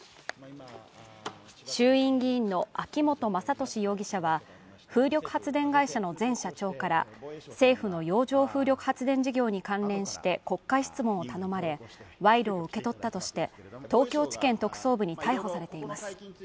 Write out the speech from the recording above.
衆院議員の秋本真利容疑者は、風力発電会社の前社長から、政府の洋上風力発電事業に関連して国家質問を頼まれ、賄賂を受け取ったとして東京地検特捜部に逮捕されています。